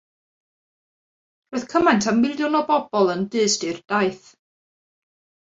Roedd cymaint â miliwn o bobl yn dyst i'r daith.